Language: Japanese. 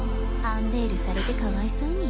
アンベイルされてかわいそうに。